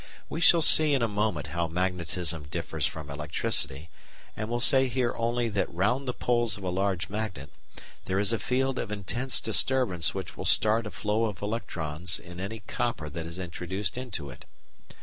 We shall see in a moment how magnetism differs from electricity, and will say here only that round the poles of a large magnet there is a field of intense disturbance which will start a flow of electrons in any copper that is introduced into it.